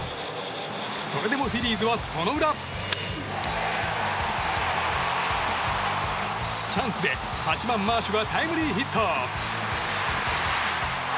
それでもフィリーズはその裏チャンスで、８番マーシュがタイムリーヒット！